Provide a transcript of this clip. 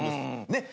ねっ。